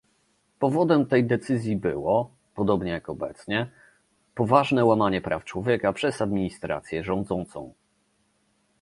Powodem tej decyzji było, podobnie jak obecnie, poważne łamanie praw człowieka przez administrację rządzącą